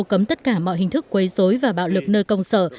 cấm tất cả mọi hình thức quấy dối và bạo lực nơi công sở